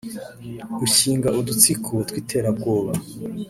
gushyinga udutsiko tw’iterabwoba